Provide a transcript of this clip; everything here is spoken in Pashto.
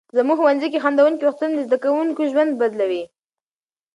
زموږ ښوونځي کې خندونکي وختونه د زده کوونکو ژوند بدلوي.